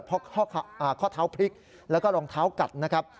เพราะข้อเท้าพลิกแล้วก็รองเท้ากัดนะครับ